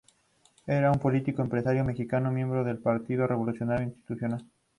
Es un político y empresario mexicano, miembro del Partido Revolucionario Institucional.